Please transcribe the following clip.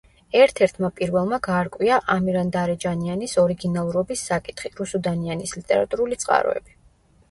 ერთ-ერთმა პირველმა გაარკვია „ამირანდარეჯანიანის“ ორიგინალურობის საკითხი, „რუსუდანიანის“ ლიტერატურული წყაროები.